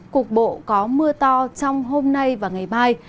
cục bộ có mưa to trong hôm nay và ngày mai